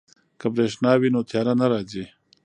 که بریښنا وي نو تیاره نه راځي.